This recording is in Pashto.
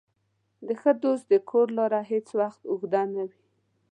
د ښه دوست د کور لاره هېڅ وخت اوږده نه وي.